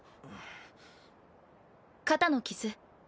肩の傷